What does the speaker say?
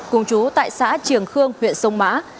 cùng chú tại xã triềng khương huyện sông mã